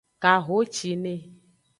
Kahocine.